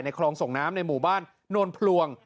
คลองส่งน้ำในหมู่บ้านโนนพลวง